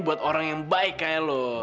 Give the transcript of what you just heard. buat orang yang baik kayak loh